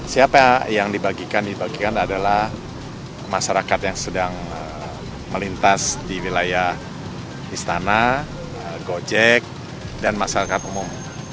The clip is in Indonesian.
siapa yang dibagikan dibagikan adalah masyarakat yang sedang melintas di wilayah istana gojek dan masyarakat umum